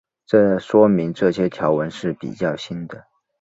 这说明这些条纹是比较新的。